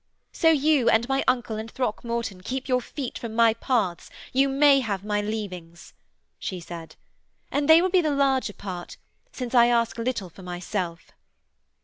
'So you and my uncle and Throckmorton keep your feet from my paths, you may have my leavings,' she said. 'And they will be the larger part, since I ask little for myself.'